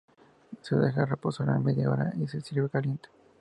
Se deja reposar una media hora y se sirve caliente.